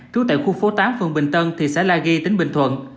trú tại khu phố tám phường bình tân thị xã la ghi tỉnh bình thuận